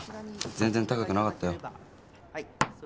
全然高くなかったよ。